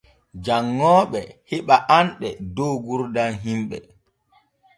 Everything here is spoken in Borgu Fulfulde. Janŋooɓe heɓa anɗe dow gurdam himɓe.